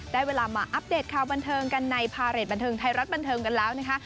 ได้เวลามาอัปเดตข่าวบันเทิงกันในพาเรทบันเทิงไทยรัฐบันเทิงกันแล้วนะคะ